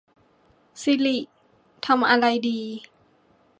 สิริ ทำอะไรดี